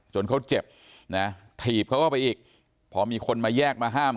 เขาเจ็บนะถีบเขาเข้าไปอีกพอมีคนมาแยกมาห้าม